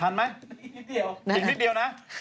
๔นิดเดียว